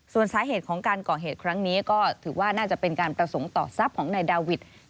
ส่วนสาเหตุของการก่อเหตุครั้งนี้ก็ถือว่าน่าจะเป็นการประสงค์ต่อทรัพย์ของนายดาวิทย์